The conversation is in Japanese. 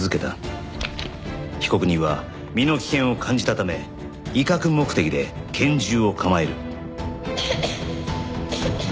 被告人は身の危険を感じたため威嚇目的で拳銃を構える。